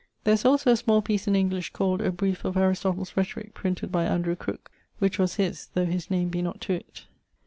There is also a small peece in English called A Breefe of Aristotle's Rhetorick printed by Andrew Crooke, which was his, though his name be not to it.